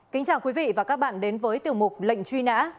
kính chào quý vị và các bạn đến với tiểu mục lệnh truy nã